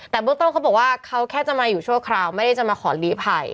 แต่เบื้องต้นเขาบอกว่าเขาแค่จะมาอยู่ชั่วคราวไม่ได้จะมาขอลีภัย